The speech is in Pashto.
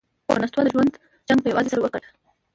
هو، نستوه د ژوند جنګ پهٔ یوازې سر وګاټهٔ!